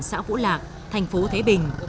xã vũ lạc thành phố thế bình